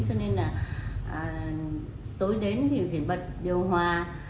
cho nên là tối đến thì phải bật điều hòa